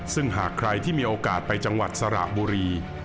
ซึ่งหากใครที่มีโอกาสไปจังหวัดสระบุรี